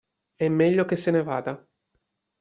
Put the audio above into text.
È meglio che se ne vada.